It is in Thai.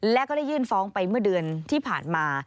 และก็ได้ยื่นฟ้องไปเมื่อเดือนที่ผ่านมา